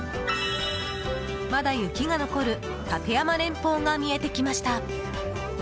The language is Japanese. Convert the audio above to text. まだ雪が残る立山連峰が見えてきました。